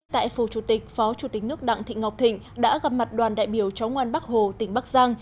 tại phủ chủ tịch phó chủ tịch nước đặng thị ngọc thịnh đã gặp mặt đoàn đại biểu cháu ngoan bắc hồ tỉnh bắc giang